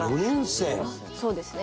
そうですね。